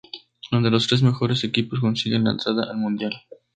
Donde los tres mejores equipos consiguen la entrada al mundial.